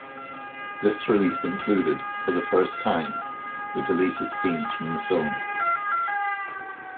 This release included, for the first time, the deleted scenes from the film.